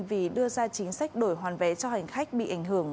vì đưa ra chính sách đổi hoàn vé cho hành khách bị ảnh hưởng